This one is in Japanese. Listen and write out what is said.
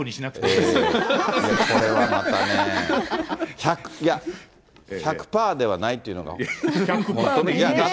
いや、これはまたね、１００パーではないっていうのが、本当の。